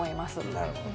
なるほど。